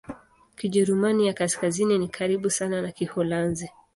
Kijerumani ya Kaskazini ni karibu sana na Kiholanzi.